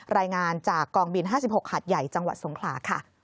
รายงานจากกองบิน๕๖หาดใหญ่จังหวัดสงขลาค่ะ